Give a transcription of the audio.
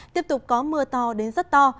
tiếp tục có mưa to đến rất to